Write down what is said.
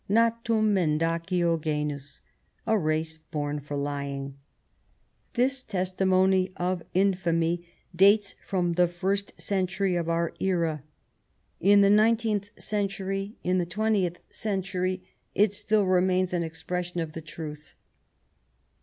Natum mendacio genus (A race born for ly ing). This testimony of infamy dates from the first century of our era ; in the nineteenth century, in the twentieth century, it still remains an expression of the truth.